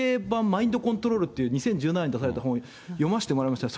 マインドコントロールっていう、２０１７年に出された本、読ませてもらいました。